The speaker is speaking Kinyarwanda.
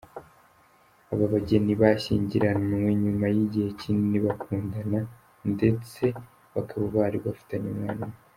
Aba bageni bashyingiranywe nyuma y’igihe kinini bakundana ndetse bakaba bari bafitanye umwana umwe.